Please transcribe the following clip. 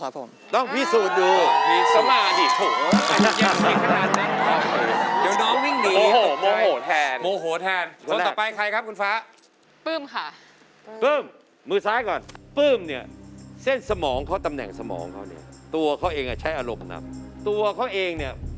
อาจารย์ตรงขวาตาก็ดูเจ้าชูจังเลย